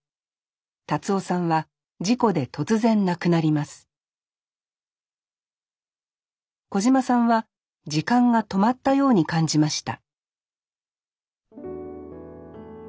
達男さんは事故で突然亡くなります小島さんは時間が止まったように感じました